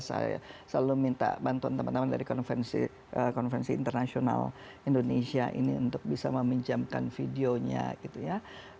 saya selalu minta bantuan teman teman dari konvensi internasional indonesia ini untuk bisa meminjamkan videonya gitu ya